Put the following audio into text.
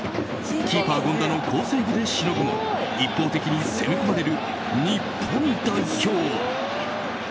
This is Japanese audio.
キーパー権田の好セーブでしのぐも一方的に攻め込まれる日本代表。